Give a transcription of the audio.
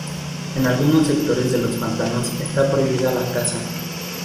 En algunos sectores de los pantanos está prohibida la caza.